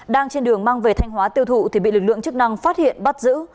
đang trên đường mang về thanh hóa tiêu thụ thì bị lực lượng chức năng phát hiện bắt giữ